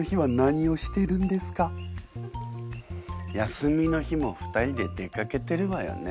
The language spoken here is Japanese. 休みの日も２人で出かけてるわよね。